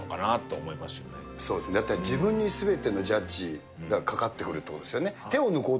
だって自分にすべてのジャッジがかかってくるってことですよね。